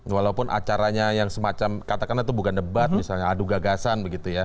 walaupun acaranya yang semacam katakanlah itu bukan debat misalnya adu gagasan begitu ya